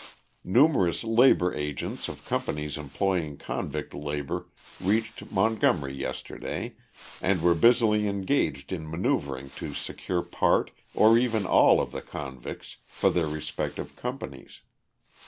Numerous labour agents of companies employing convict labour reached Montgomery yesterday, and were busily engaged in manoeuvring to secure part or even all of the convicts for their respective companies.